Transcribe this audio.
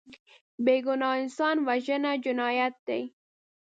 بېګناه انسان وژنه جنایت دی